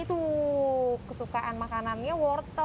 tuh kesukaan makanannya worth it